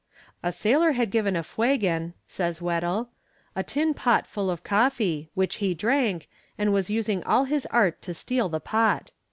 "A sailor had given a Fuegan," says Weddell, "a tin pot full of coffee, which he drank, and was using all his art to steal the pot.